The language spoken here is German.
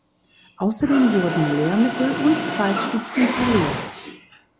Außerdem wurden Lehrmittel und Zeitschriften verlegt.